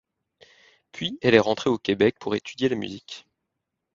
Puis elle est rentrée au Québec pour étudier la musique.